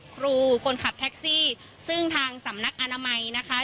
ครูคนขับแท็กซี่ซึ่งทางสำนักอนามัยนะคะ